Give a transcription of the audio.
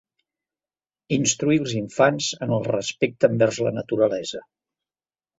Instruir els infants en el respecte envers la naturalesa.